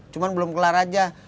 cuman belum kelar aja